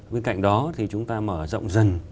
bên cạnh đó thì chúng ta mở rộng dần